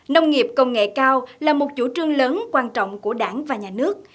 nông nghiệp công nghệ cao là một chủ trương lớn quan trọng của đảng và nhà nước